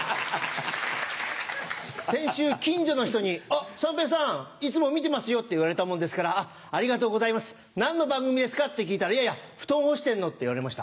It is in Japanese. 先週近所の人に「あっ三平さんいつも見てますよ」って言われたもんですから「ありがとうございます何の番組ですか？」って聞いたら「いやいや布団干してんの」って言われました。